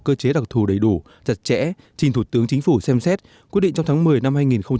cơ chế đặc thù đầy đủ chặt chẽ trình thủ tướng chính phủ xem xét quyết định trong tháng một mươi năm hai nghìn hai mươi